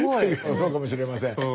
そうかもしれません。